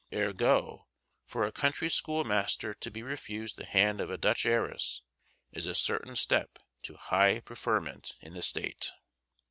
"Ergo, for a country schoolmaster to be refused the hand of a Dutch heiress is a certain step to high preferment in the state."